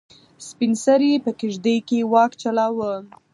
سپین سرې په کيږدۍ کې واک چلاوه.